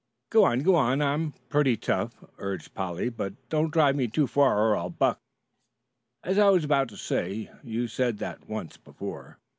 "Go on, go on. I'm pretty tough," urged Polly. "But don't drive me too far or I'll buck." "As I was about to say " "You said that once before."